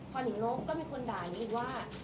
พอหนึ่งลบก็มีคนด่านึงว่า